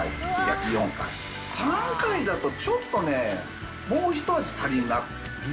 ３回だとちょっとねもうひと味足りんなと。